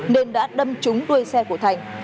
nên đã đâm trúng đuôi xe của thành